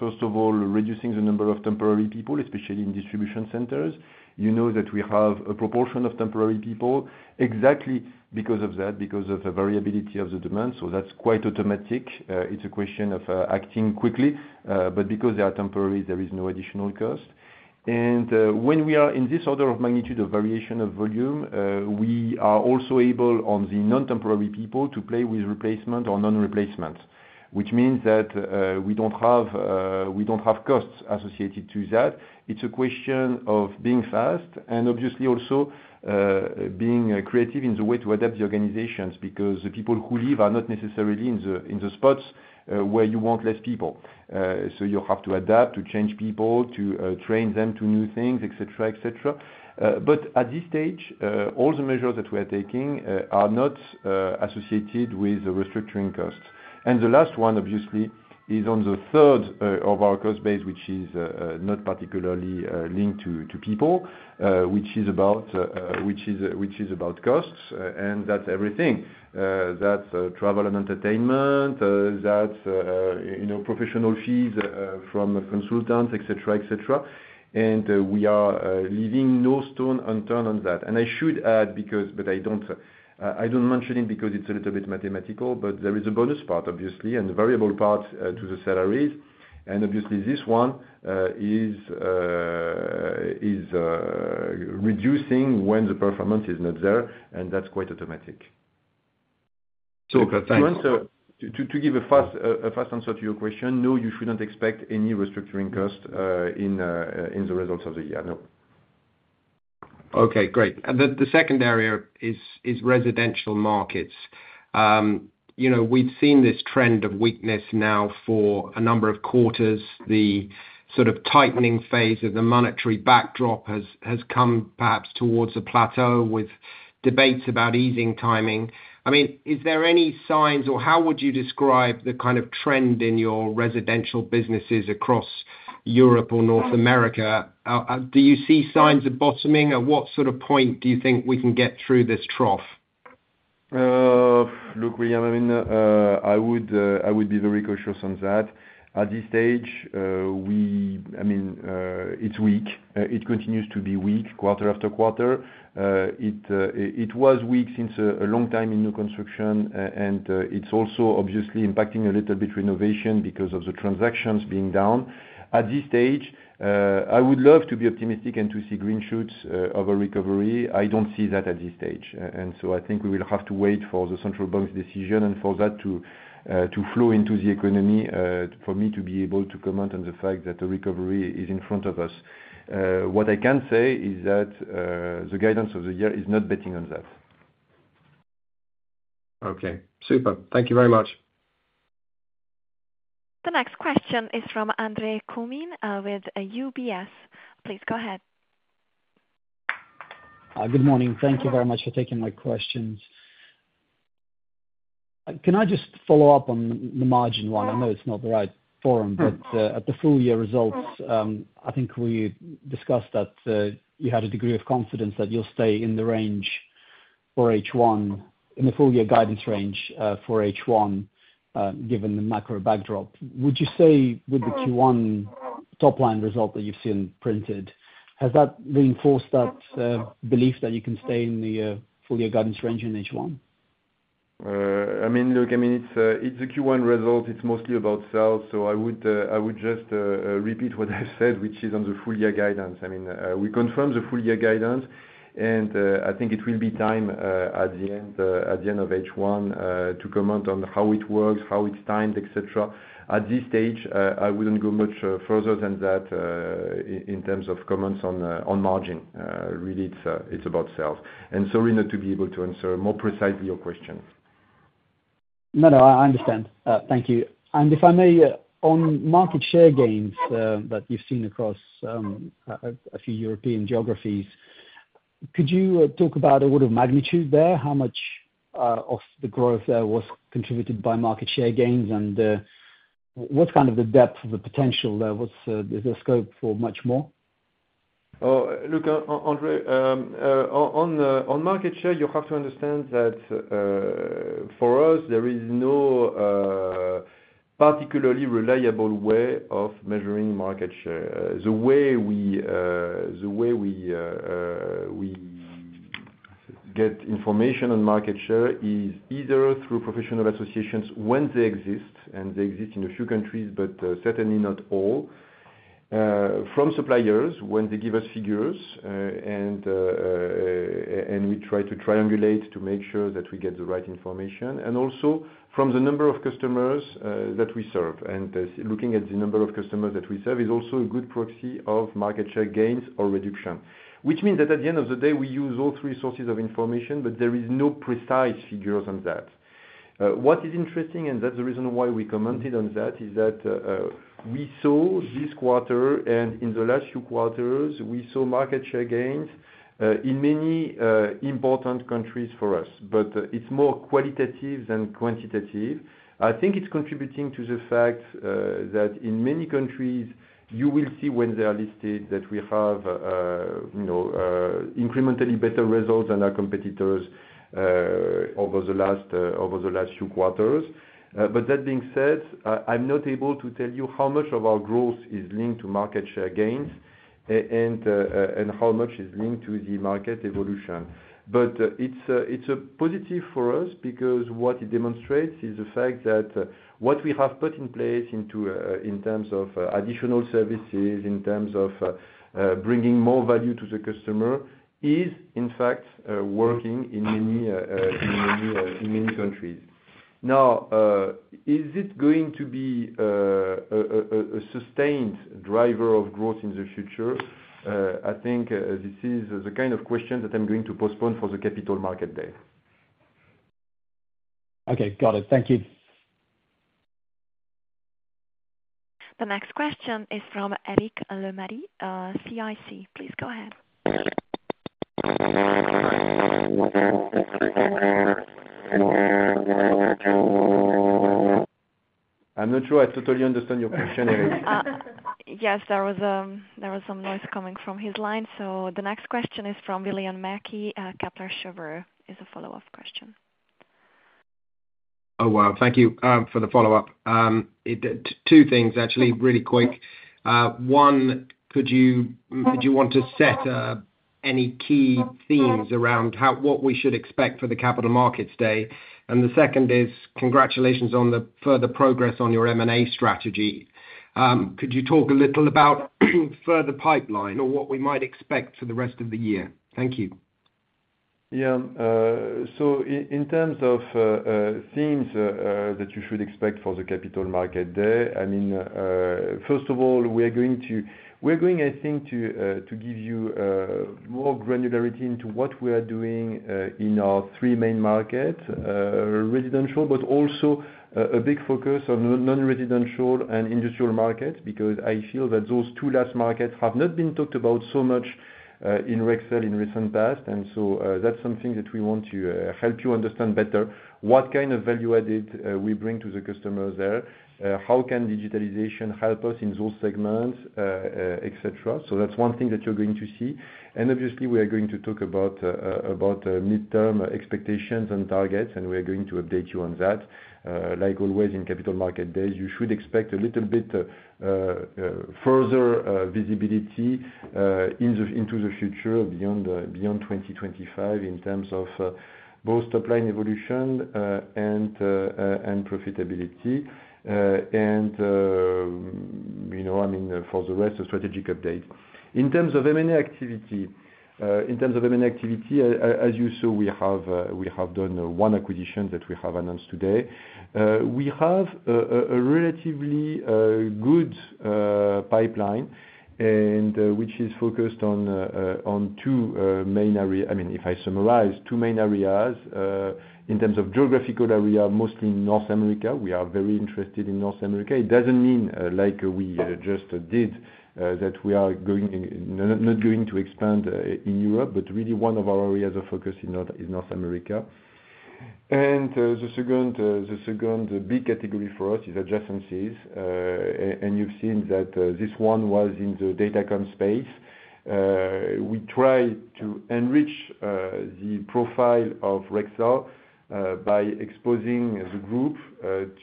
first of all, reducing the number of temporary people, especially in distribution centers. You know that we have a proportion of temporary people exactly because of that, because of the variability of the demand, so that's quite automatic. It's a question of acting quickly, but because they are temporary, there is no additional cost. And when we are in this order of magnitude of variation of volume, we are also able, on the non-temporary people, to play with replacement or non-replacement, which means that we don't have costs associated to that. It's a question of being fast and obviously also being creative in the way to adapt the organizations because the people who leave are not necessarily in the spots where you want less people. So you have to adapt, to change people, to train them to new things, etc., etc. But at this stage, all the measures that we are taking are not associated with the restructuring costs. And the last one, obviously, is on the third of our cost base, which is not particularly linked to people, which is about costs, and that's everything. That's travel and entertainment. That's, you know, professional fees from consultants, etc., etc. And we are leaving no stone unturned on that. I should add, because—but I don't mention it because it's a little bit mathematical, but there is a bonus part, obviously, and variable parts, to the salaries. And obviously, this one is reducing when the performance is not there, and that's quite automatic. So good. Thanks. To answer, to give a fast answer to your question, no, you shouldn't expect any restructuring cost in the results of the year. No. Okay. Great. And the second area is residential markets. You know, we've seen this trend of weakness now for a number of quarters. The sort of tightening phase of the monetary backdrop has come perhaps towards a plateau with debates about easing timing. I mean, is there any signs or how would you describe the kind of trend in your residential businesses across Europe or North America? Do you see signs of bottoming? At what sort of point do you think we can get through this trough? Look, William, I mean, I would be very cautious on that. At this stage, I mean, it's weak. It continues to be weak quarter after quarter. It was weak for a long time in new construction, and it's also obviously impacting a little bit renovation because of the transactions being down. At this stage, I would love to be optimistic and to see green shoots of a recovery. I don't see that at this stage. And so I think we will have to wait for the central bank's decision and for that to flow into the economy, for me to be able to comment on the fact that the recovery is in front of us. What I can say is that the guidance of the year is not betting on that. Okay. Super. Thank you very much. The next question is from Andre Kukhnin, with UBS. Please go ahead. Good morning. Thank you very much for taking my questions. Can I just follow up on the, the margin one? I know it's not the right forum, but at the full-year results, I think we discussed that you had a degree of confidence that you'll stay in the range for H1 in the full-year guidance range for H1, given the macro backdrop. Would you say with the Q1 top-line result that you've seen printed, has that reinforced that belief that you can stay in the full-year guidance range in H1? I mean, look, it's a Q1 result. It's mostly about sales. So I would just repeat what I've said, which is on the full-year guidance. I mean, we confirm the full-year guidance, and I think it will be time, at the end of H1, to comment on how it works, how it's timed, etc. At this stage, I wouldn't go much further than that, in terms of comments on margin. Really, it's about sales. And sorry not to be able to answer more precisely your question. No, no. I understand. Thank you. And if I may, on market share gains that you've seen across a few European geographies, could you talk about a word of magnitude there, how much of the growth there was contributed by market share gains, and what's kind of the depth of the potential there? Is there scope for much more? Oh, look, Andre, on market share, you have to understand that, for us, there is no particularly reliable way of measuring market share. The way we get information on market share is either through professional associations when they exist, and they exist in a few countries but certainly not all, from suppliers when they give us figures, and we try to triangulate to make sure that we get the right information, and also from the number of customers that we serve. Looking at the number of customers that we serve is also a good proxy of market share gains or reduction, which means that at the end of the day, we use all three sources of information, but there is no precise figures on that. What is interesting, and that's the reason why we commented on that, is that we saw this quarter, and in the last few quarters, we saw market share gains in many important countries for us, but it's more qualitative than quantitative. I think it's contributing to the fact that in many countries, you will see when they are listed that we have, you know, incrementally better results than our competitors, over the last few quarters. But that being said, I'm not able to tell you how much of our growth is linked to market share gains, and how much is linked to the market evolution. But it's a positive for us because what it demonstrates is the fact that what we have put in place, in terms of additional services, in terms of bringing more value to the customer, is in fact working in many countries. Now, is it going to be a sustained driver of growth in the future? I think this is the kind of question that I'm going to postpone for the Capital Market Day. Okay. Got it. Thank you. The next question is from Eric Lemarié, CIC. Please go ahead. I'm not sure I totally understand your question, Éric. Yes. There was some noise coming from his line. So the next question is from William Mackey, Kepler Cheuvreux. It's a follow-up question. Oh, wow. Thank you for the follow-up. I'd do two things, actually, really quick. One, did you want to set any key themes around what we should expect for the Capital Markets Day? And the second is, congratulations on the further progress on your M&A strategy. Could you talk a little about further pipeline or what we might expect for the rest of the year? Thank you. Yeah. So in terms of themes that you should expect for the Capital Market Day, I mean, first of all, we are going to, I think, give you more granularity into what we are doing in our three main markets, residential but also a big focus on non-residential and industrial markets because I feel that those two last markets have not been talked about so much in Rexel in recent past. And so that's something that we want to help you understand better, what kind of value added we bring to the customers there, how can digitalization help us in those segments, etc. So that's one thing that you're going to see. And obviously, we are going to talk about mid-term expectations and targets, and we are going to update you on that. Like always in Capital Market Days, you should expect a little bit further visibility in the into the future beyond beyond 2025 in terms of both top-line evolution and and profitability and you know I mean for the rest a strategic update. In terms of M&A activity in terms of M&A activity as you saw we have we have done one acquisition that we have announced today. We have a a relatively good pipeline and which is focused on on two main I mean if I summarize two main areas in terms of geographical area mostly North America. We are very interested in North America. It doesn't mean like we just did that we are going not going to expand in Europe but really one of our areas of focus in North America is North America. And the second the second big category for us is adjacencies. And you've seen that, this one was in the data comm space. We try to enrich the profile of Rexel by exposing the group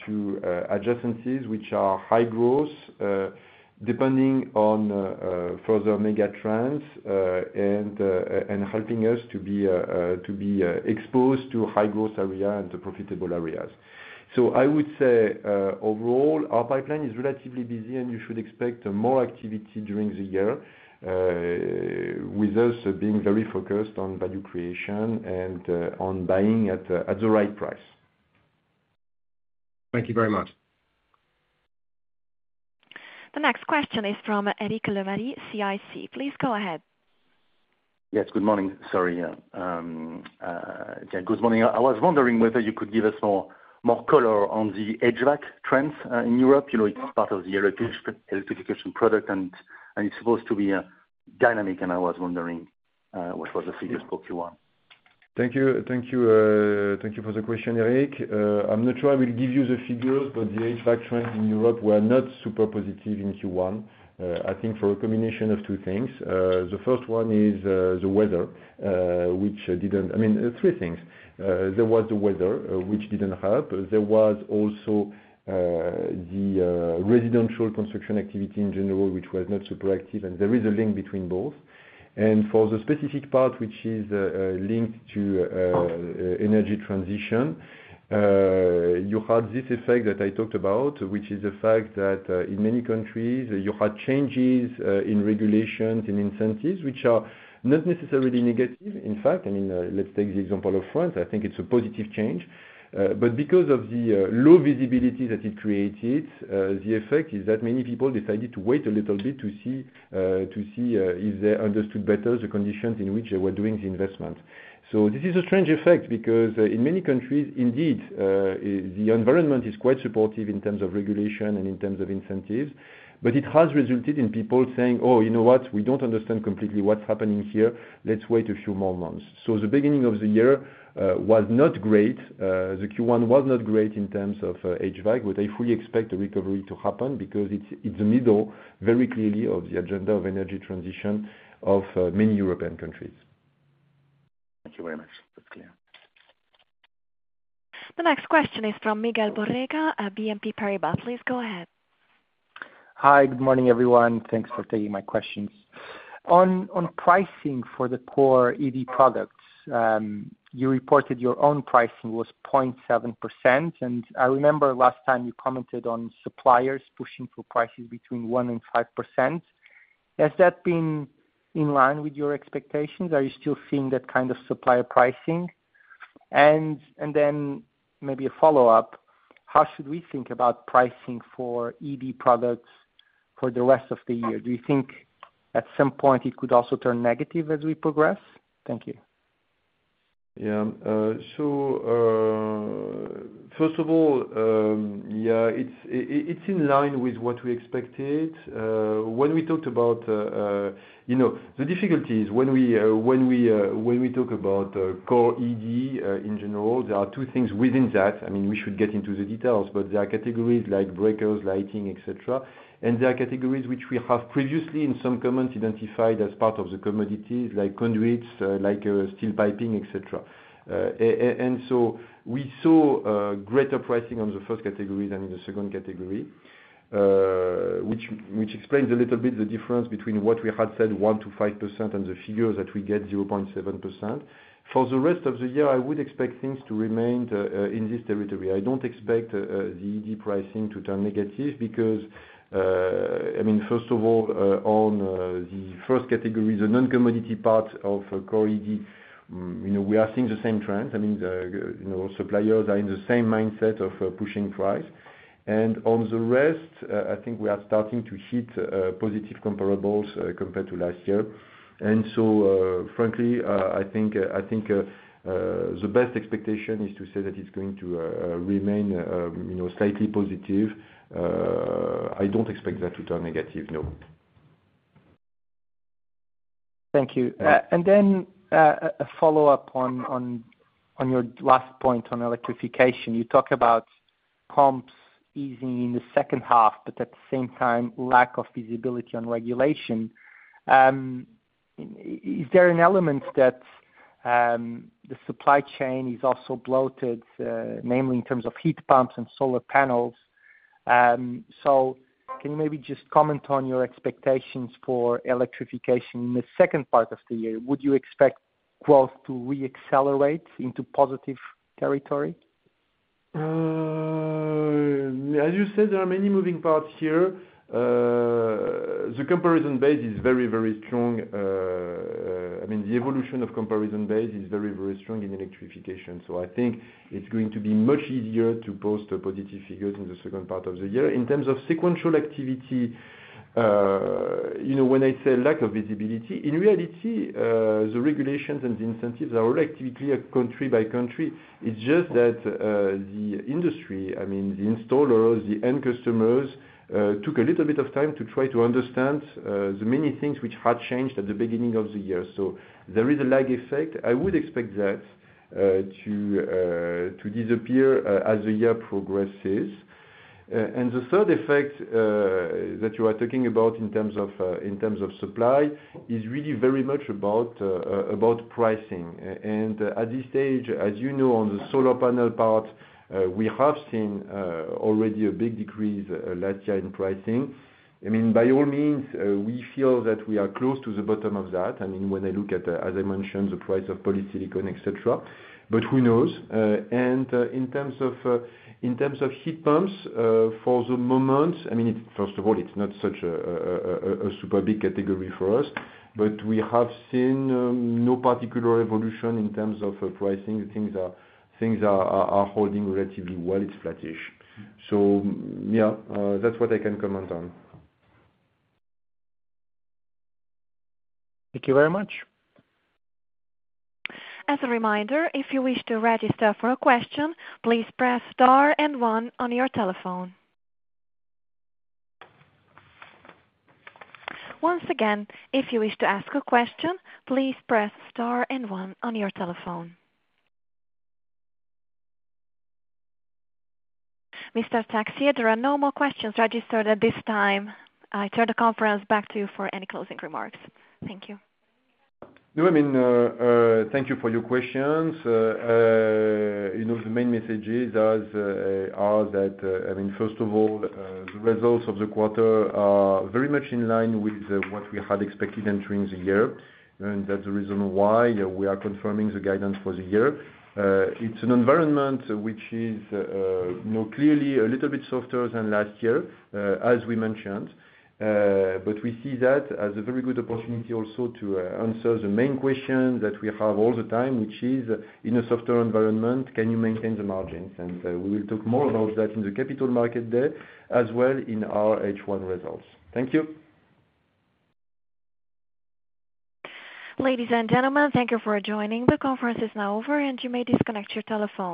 to adjacencies which are high growth, depending on further megatrends, and helping us to be exposed to high-growth area and profitable areas. So I would say, overall, our pipeline is relatively busy, and you should expect more activity during the year, with us being very focused on value creation and on buying at the right price. Thank you very much. The next question is from Eric Lemarié, CIC. Please go ahead. Yes. Good morning. Sorry, yeah. Good morning. I was wondering whether you could give us more color on the HVAC trends in Europe. You know, it's part of the electrification product, and it's supposed to be dynamic, and I was wondering what was the figures for Q1. Thank you. Thank you, thank you for the question, Eric. I'm not sure I will give you the figures, but the HVAC trends in Europe were not super positive in Q1, I think, for a combination of two things. The first one is the weather, which didn't. I mean, three things. There was the weather, which didn't help. There was also the residential construction activity in general, which was not super active, and there is a link between both. And for the specific part, which is linked to energy transition, you had this effect that I talked about, which is the fact that in many countries, you had changes in regulations and incentives, which are not necessarily negative. In fact, I mean, let's take the example of France. I think it's a positive change. But because of the low visibility that it created, the effect is that many people decided to wait a little bit to see if they understood better the conditions in which they were doing the investment. So this is a strange effect because in many countries, indeed, in the environment is quite supportive in terms of regulation and in terms of incentives, but it has resulted in people saying, "Oh, you know what? We don't understand completely what's happening here. Let's wait a few more months." So the beginning of the year was not great. The Q1 was not great in terms of HVAC, but I fully expect the recovery to happen because it's the middle, very clearly, of the agenda of energy transition of many European countries. Thank you very much. That's clear. The next question is from Miguel Borrega, BNP Paribas. Please go ahead. Hi. Good morning, everyone. Thanks for taking my questions. On, on pricing for the core ED products, you reported your own pricing was 0.7%, and I remember last time you commented on suppliers pushing for prices between 1%-5%. Has that been in line with your expectations? Are you still seeing that kind of supplier pricing? And, and then maybe a follow-up, how should we think about pricing for EV products for the rest of the year? Do you think at some point, it could also turn negative as we progress? Thank you. Yeah, so first of all, yeah, it's in line with what we expected. When we talked about, you know, the difficulty is when we talk about Core ED, in general, there are two things within that. I mean, we should get into the details, but there are categories like breakers, lighting, etc., and there are categories which we have previously, in some comments, identified as part of the commodities, like conduits, like steel piping, etc. And so we saw greater pricing on the first categories and in the second category, which explains a little bit the difference between what we had said, 1%-5%, and the figures that we get, 0.7%. For the rest of the year, I would expect things to remain in this territory. I don't expect the ED pricing to turn negative because, I mean, first of all, on the first categories, the non-commodity part of core ED, you know, we are seeing the same trends. I mean, you know, suppliers are in the same mindset of pushing price. And on the rest, I think we are starting to hit positive comparables compared to last year. And so, frankly, I think, I think, the best expectation is to say that it's going to remain, you know, slightly positive. I don't expect that to turn negative, no. Thank you. Then, a follow-up on your last point on electrification. You talk about pumps easing in the second half but at the same time, lack of visibility on regulation. Is there an element that the supply chain is also bloated, namely in terms of heat pumps and solar panels? So can you maybe just comment on your expectations for electrification in the second part of the year? Would you expect growth to re-accelerate into positive territory? As you said, there are many moving parts here. The comparison base is very, very strong. I mean, the evolution of comparison base is very, very strong in electrification. So I think it's going to be much easier to post positive figures in the second part of the year. In terms of sequential activity, you know, when I say lack of visibility, in reality, the regulations and the incentives are all actively country by country. It's just that, the industry I mean, the installers, the end customers, took a little bit of time to try to understand, the many things which had changed at the beginning of the year. So there is a lag effect. I would expect that, to, to disappear, as the year progresses. And the third effect, that you are talking about in terms of, in terms of supply, is really very much about, about pricing. And, at this stage, as you know, on the solar panel part, we have seen already a big decrease last year in pricing. I mean, by all means, we feel that we are close to the bottom of that. I mean, when I look at, as I mentioned, the price of polysilicon, etc., but who knows? And, in terms of heat pumps, for the moment, I mean, it's first of all, it's not such a super big category for us, but we have seen no particular evolution in terms of pricing. Things are holding relatively well. It's flattish. So, yeah, that's what I can comment on. Thank you very much. As a reminder, if you wish to register for a question, please press star and one on your telephone. Once again, if you wish to ask a question, please press star and one on your telephone. Mr. Texier, there are no more questions registered at this time. I turn the conference back to you for any closing remarks. Thank you. No, I mean, thank you for your questions. You know, the main messages are that, I mean, first of all, the results of the quarter are very much in line with what we had expected entering the year, and that's the reason why we are confirming the guidance for the year. It's an environment which is, you know, clearly a little bit softer than last year, as we mentioned, but we see that as a very good opportunity also to answer the main question that we have all the time, which is, in a softer environment, can you maintain the margins? And we will talk more about that in the Capital Market Day as well in our H1 results. Thank you. Ladies and gentlemen, thank you for joining. The conference is now over, and you may disconnect your telephone.